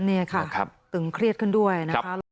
นี่ค่ะตึงเครียดขึ้นด้วยนะคะ